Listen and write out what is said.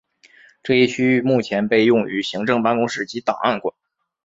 这一区域目前被用于行政办公室及档案馆。